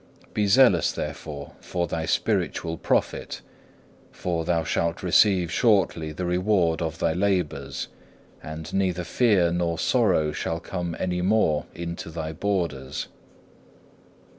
Be zealous, therefore, for thy spiritual profit, for thou shalt receive shortly the reward of thy labours, and neither fear nor sorrow shall come any more into thy borders.